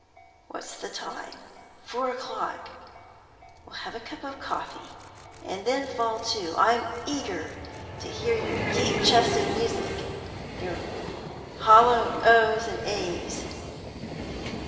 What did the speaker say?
What's the time? Four o'clock. We'll have a cup of coffee and then fall to. I'm eager to hear your 'deep chested music,' your 'hollow oes and aes.'"